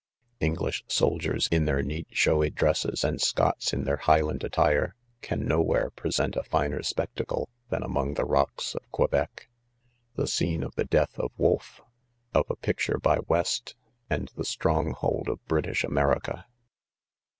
— ^English soldiers in ' their neat . showy Presses, and 7 Scots in their highland attite* canno: where present a 'finer' spectacle than 7 among 5 the Toefcs 86 IDOMEN ^fiQtaebec;.; ; ^ejSG^rie, of, the death of Wolf ,. pf a ^picture .by r ^West,:and the strong hold of Britisji\America.